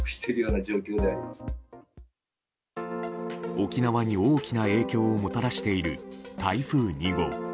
沖縄に大きな影響をもたらしている、台風２号。